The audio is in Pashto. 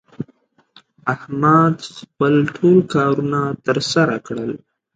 احمد خپل ټول کارونه تر سره کړل